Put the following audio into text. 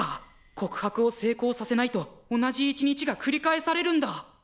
告白を成功させないと同じ一日がくり返されるんだ！